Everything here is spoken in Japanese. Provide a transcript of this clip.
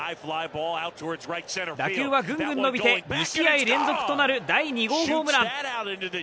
打球はぐんぐん伸びて２試合連続となる第２号ホームラン。